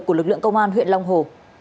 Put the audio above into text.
của lực lượng công an huyện long hồ